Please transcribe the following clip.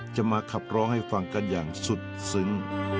จะมาขับร้องให้ฟังกันอย่างสุดซึ้ง